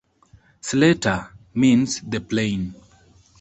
"Sletta" means "the plain".